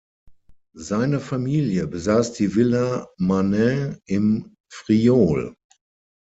Seine Familie besaß die Villa Manin im Friaul.